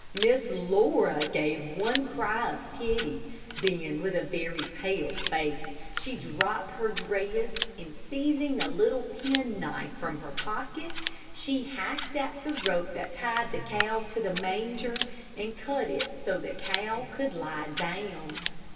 Miss Laura gave one cry of pity, then with a very pale face she dropped her dress, and seizing a little penknife from her pocket, she hacked at the rope that tied the cow to the manger, and cut it so that the cow could lie down.